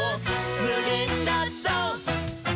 「むげんだぞう！」